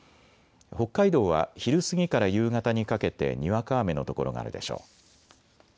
北海道は昼過ぎから夕方にかけてにわか雨の所があるでしょう。